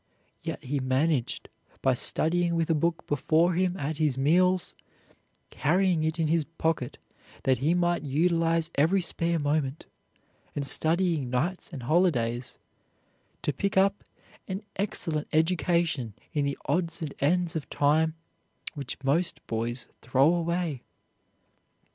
Yet he managed, by studying with a book before him at his meals, carrying it in his pocket that he might utilize every spare moment, and studying nights and holidays, to pick up an excellent education in the odds and ends of time which most boys throw away.